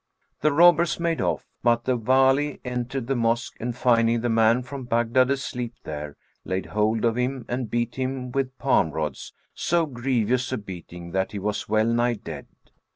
The robbers made off; but the Wali entered the mosque and, finding the man from Baghdad asleep there, laid hold of him and beat him with palm rods so grievous a beating that he was well nigh dead.